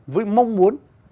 với mong muốn